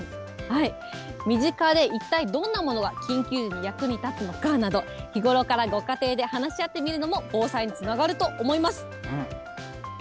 身近で一体どんなものが緊急時に役に立つのかなど、日頃から、ご家庭で話し合ってみるのも防災につながると思います。